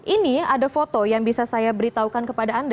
ini ada foto yang bisa saya beritahukan kepada anda